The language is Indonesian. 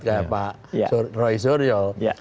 seperti pak roy suryo